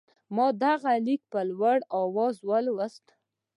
ما دغه لیکونه په لوړ آواز ولوستل.